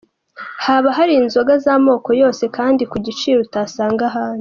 Haba hari inzoga z'amoko yose kandi ku giciro utasanga ahandi.